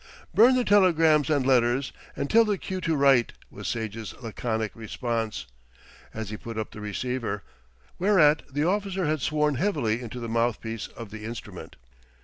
"Burn the telegrams and letters and tell the queue to write," was Sage's laconic response, as he put up the receiver, whereat the officer had sworn heavily into the mouth piece of the instrument.